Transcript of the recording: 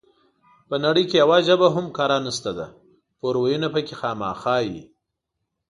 په نړۍ کې يوه ژبه هم کره نشته ده پور وييونه پکې خامخا وي